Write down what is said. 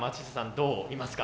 どう見ますか？